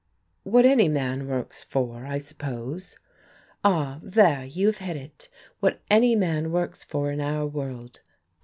"What any man works for, I suppose." "Ah, there you have hit it, what any man works for in our world.